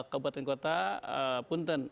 kabupaten kota punten